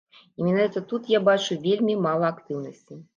І менавіта тут я бачу вельмі мала актыўнасці.